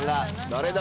誰だ？